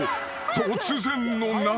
突然の涙］